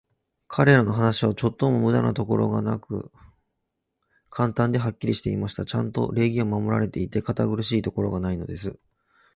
彼等の話は、ちょっとも無駄なところがなく、簡単で、はっきりしていました。ちゃんと礼儀は守られていて、堅苦しいところがないのです。